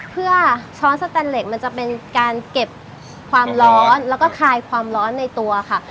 เพื่อช้อนสแตนเหล็กมันจะเป็นการเก็บความร้อนแล้วก็คลายความร้อนในตัวค่ะ